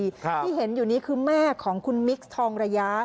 ที่เห็นอยู่นี้คือแม่ของคุณมิคทองระยะ